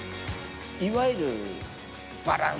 いわゆる。